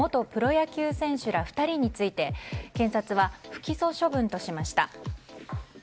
野球選手ら２人について検察は不起訴処分としました。